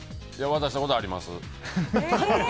渡したことあります。